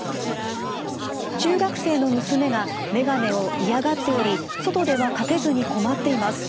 中学生の娘が眼鏡を嫌がっており外ではかけずに困っています。